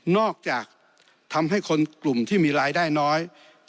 อกจากทำให้คนกลุ่มที่มีรายได้น้อย